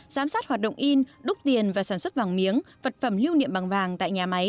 giám sát hoạt động in đúc tiền và sản xuất vàng miếng vật phẩm lưu niệm bằng vàng tại nhà máy